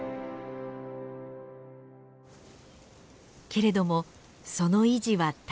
けれどもその維持は大変。